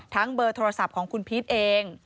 เบอร์โทรศัพท์ของคุณพีชเอง